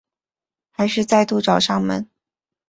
还是再度找上门